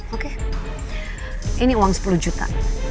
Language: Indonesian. oke ini uang sepuluh juta